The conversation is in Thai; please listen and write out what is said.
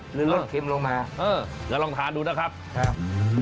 หรือลดเค็มลงมาเอออย่างนั้นลองทานดูนะครับครับ